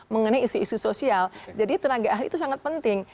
mengenai isu isu sosial jadi tenaga ahli itu sangat penting